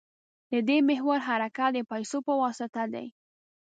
د دې محور حرکت د پیسو په واسطه دی.